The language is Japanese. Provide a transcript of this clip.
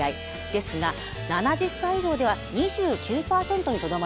ですが７０歳以上では２９％にとどまりました。